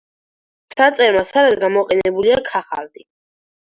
საწერ მასალად გამოყენებულია ქაღალდი.